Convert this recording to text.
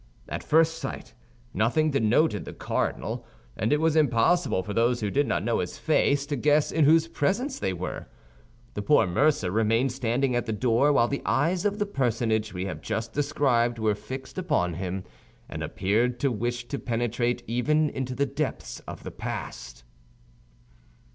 At first sight, nothing denoted the cardinal; and it was impossible for those who did not know his face to guess in whose presence they were. The poor mercer remained standing at the door, while the eyes of the personage we have just described were fixed upon him, and appeared to wish to penetrate even into the depths of the past.